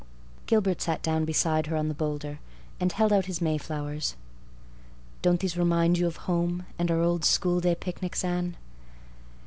Gilbert sat down beside her on the boulder and held out his Mayflowers. "Don't these remind you of home and our old schoolday picnics, Anne?"